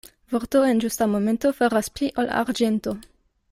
Vorto en ĝusta momento faras pli ol arĝento.